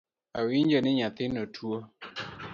Awinjo ni nyathino tuo